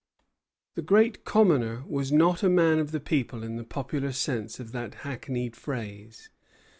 The Great Commoner was not a man of the people in the popular sense of that hackneyed phrase.